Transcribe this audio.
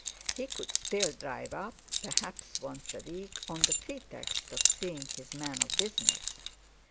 He could still drive up, perhaps, once a week, on the pretext of seeing his man of business.